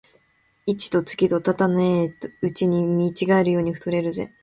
一と月とたたねえうちに見違えるように太れるぜ